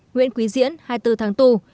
nguyễn quý diễn hai mươi bốn tháng tù